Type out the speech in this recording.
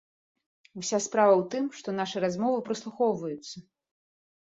Уся справа ў тым, што нашы размовы праслухоўваюцца.